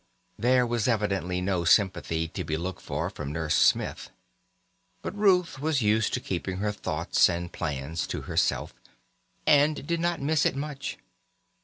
There was evidently no sympathy to be looked for from Nurse Smith; but Ruth was used to keeping her thoughts and plans to herself, and did not miss it much.